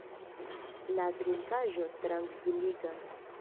La drinkaĵo trankviligas.